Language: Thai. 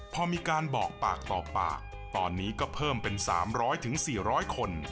พอมีการบอกปากต่อปากตอนนี้ก็เพิ่มเป็น๓๐๐๔๐๐คน